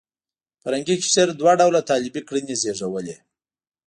فرهنګي قشر دوه ډوله طالبي کړنې زېږولې.